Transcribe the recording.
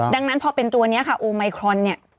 ดังนั้นพอเป็นตัวนี้ค่ะโอไมครอนเนี่ย